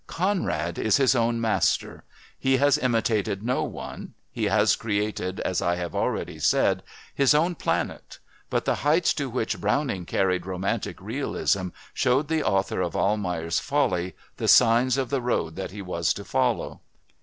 Conrad is his own master he has imitated no one, he has created, as I have already said, his own planet, but the heights to which Browning carried Romantic Realism showed the author of Almayer's Folly the signs of the road that he was to follow.